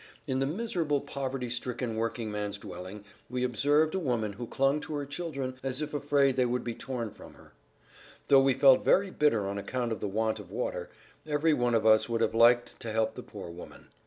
In the miserable poverty stricken working man's dwelling we observed a woman who clung to her children as if afraid they would be torn from her. Though we felt very bitter on account of the want of water, every one of us would have liked to help the poor woman.